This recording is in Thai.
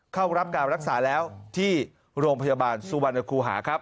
เข้ารับการรักษาแล้วที่โรงพยาบาลสุวรรณคูหาครับ